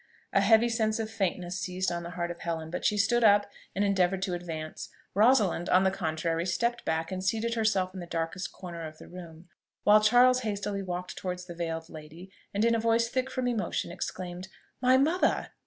A heavy sense of faintness seized on the heart of Helen, but she stood up and endeavoured to advance; Rosalind, on the contrary, stepped back and seated herself in the darkest corner of the room; while Charles hastily walked towards the veiled lady, and in a voice thick from emotion, exclaimed, "My mother!"